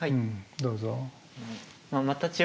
どうぞ。